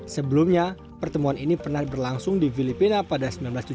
sebelumnya pertemuan ini pernah berlangsung di filipina pada seribu sembilan ratus tujuh puluh